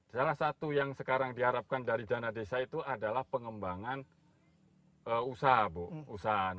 salah satu yang sekarang diharapkan dari dana desa itu adalah pengembangan usaha bu